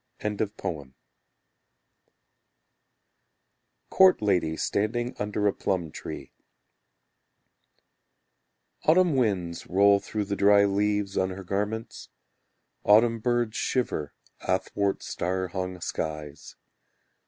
Court Lady Standing Under a Plum Tree Autumn winds roll through the dry leaves On her garments; Autumn birds shiver Athwart star hung skies.